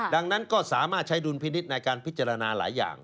ดังนั้นก็สามารถใช้ดุลพินิษฐ์ในการพิจารณาหลายอย่าง